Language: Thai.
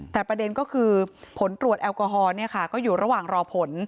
แต่ประเด็นก็คือผลตรวจแอลกอฮอลก็อยู่ระหว่างรอผล